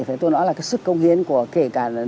thì tôi nói là cái sức công hiến của kể cả